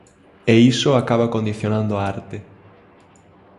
E iso acaba condicionando a arte.